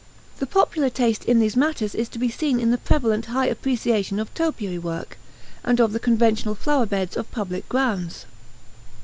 The popular taste in these matters is to be seen in the prevalent high appreciation of topiary work and of the conventional flower beds of public grounds.